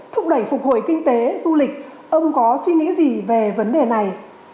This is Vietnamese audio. thúc đẩy phục hồi kinh tế du lịch ông có suy nghĩ gì về vấn đề này